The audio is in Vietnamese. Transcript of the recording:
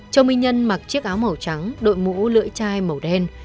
châu minh nhân mặc chiếc áo màu trắng đội mũ lưỡi chai màu đen